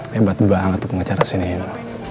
hebat banget tuh pengacara sih ini